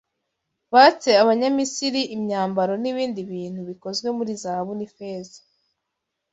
batse Abanyamisiri imyambaro n’ibindi bintu bikozwe muri zahabu n’ifeza